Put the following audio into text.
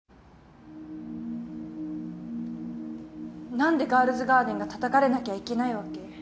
なんで『ガールズガーデン』が叩かれなきゃいけないわけ？